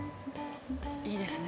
いいですね。